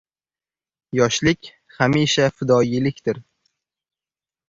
Yoshlik hamisha fidoyilikdir.